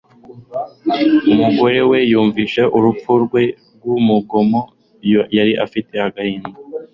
Umugore we yumvise urupfu rwe rw'urugomo, yari afite agahinda